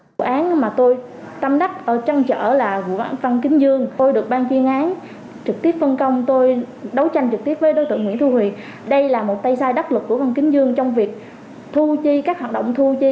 vụ án mà tôi tâm đắc ở trang trở là vụ án văn kính dương tôi được ban chuyên án trực tiếp phân công tôi đấu tranh trực tiếp với đối tượng nguyễn thu huyền đây là một tay sai đắc lực của văn kính dương trong việc thu chi các hạt động thu chi